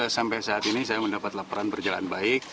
sampai saat ini saya mendapat laporan berjalan baik